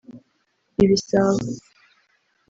ibisabo